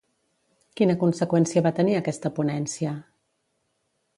Quina conseqüència va tenir aquesta ponència?